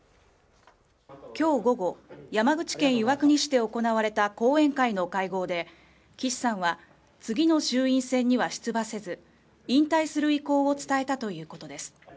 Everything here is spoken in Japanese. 今日午後、山口県岩国市で行われた後援会の会合で、岸さんは次の衆院選には出馬せず、引退する意向を伝えたということです。